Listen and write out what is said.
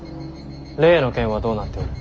例の件はどうなっておる。